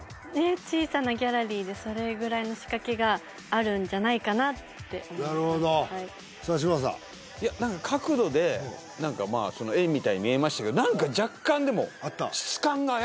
小さなギャラリーでそれぐらいの仕掛けがあるんじゃないかなって思いましたなるほどさあ嶋佐角度で絵みたいに見えましたけど何か若干でもあった？